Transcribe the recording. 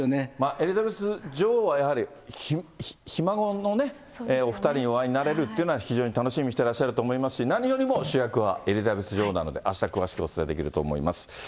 エリザベス女王はひ孫のお２人にお会いになれるというのは、非常に楽しみにしてらっしゃると思いますし、何よりも主役はエリザベス女王なのであした詳しくお伝えできると思います。